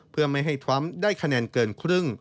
เพื่อไม่ให้ทรัมป์ได้คะแนนเกินครึ่ง